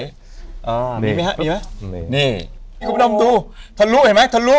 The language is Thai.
อ้อมีมั้ยครับมีมั้ยนี่คุณต้องดูทะลุเห็นมั้ยทะลุ